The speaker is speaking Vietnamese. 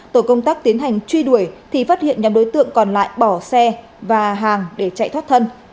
tổ công tác tiến hành truy đuổi thì phát hiện nhóm đối tượng còn lại bỏ xe và hàng để chạy thoát thân